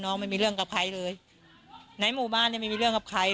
ไม่มีเรื่องกับใครเลยในหมู่บ้านเนี้ยไม่มีเรื่องกับใคร